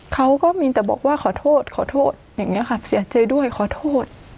เขาก็มีแต่บอกว่าขอโทษขอโทษอย่างนี้ค่ะเสียใจด้วยขอโทษ